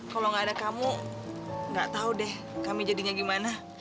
kalau nggak ada kamu nggak tahu deh kami jadinya gimana